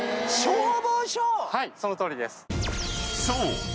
［そう。